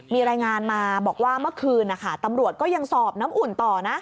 มีรายงานมาบอกว่าเมื่อคืนนะคะตำรวจก็ยังสอบน้ำอุ่นต่อนะ